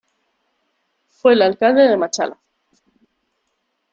Fue el Alcalde de Machala.